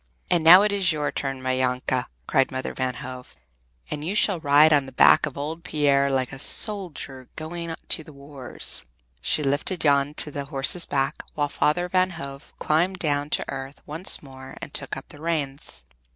"And now it is your turn, my Janke!" cried Mother Van Hove, "and you shall ride on the back of old Pier like a soldier going to the wars!" She lifted Jan to the horse's back, while Father Van Hove climbed down to earth once more and took up the reins.